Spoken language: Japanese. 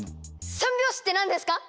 ３拍子って何ですか？